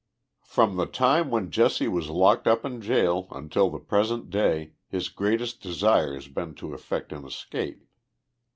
From the time 'when Jesse was locked up in jail until the present day his greatest desire has been to effect an escape.